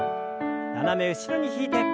斜め後ろに引いて。